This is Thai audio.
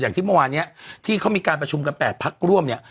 อย่างที่เมื่อวานเนี่ยที่เขามีการประชุมกัน๘พักร่วมเนี่ย